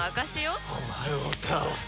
お前を倒す！